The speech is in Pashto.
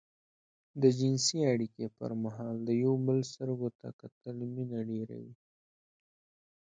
د جنسي اړيکې پر مهال د يو بل سترګو ته کتل مينه ډېروي.